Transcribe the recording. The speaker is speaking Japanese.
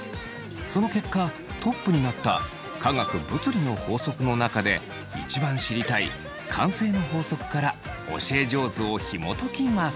その結果トップになった科学・物理の法則の中で一番知りたい慣性の法則から教え上手をひもときます。